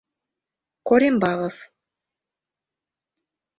Корембалов.